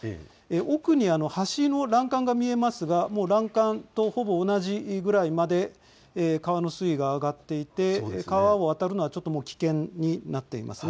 奥に橋の欄干が見えますが、もう欄干とほぼ同じぐらいまで川の水位が上がっていて川を渡るのはちょっと危険になっていますね。